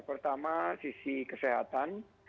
pertama sisi kesehatan